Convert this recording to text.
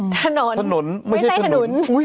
ถนนไม่ใช่ถนนถนนอุ๊ย